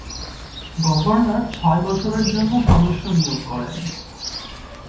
Governor ছয় বছরের জন্য সদস্য নিয়োগ করেন।